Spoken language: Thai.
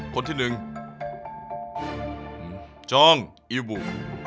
คนที่หนึ่งจองอิวบู